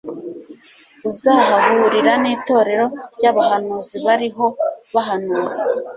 uzahahurira n'itorero ry'abahanuzi bariho bahanura